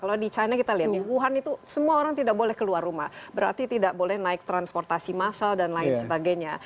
kalau di china kita lihat di wuhan itu semua orang tidak boleh keluar rumah berarti tidak boleh naik transportasi massal dan lain sebagainya